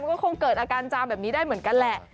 ก็คงเกิดอาการจามแบบนี้ได้เหมือนกันแหละ